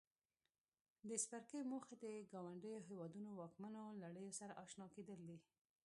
د څپرکي موخې د ګاونډیو هېوادونو واکمنو لړیو سره آشنا کېدل دي.